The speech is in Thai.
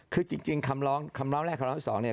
คือจริงคำร้องคำร้องแรกคำร้องที่๒เนี่ย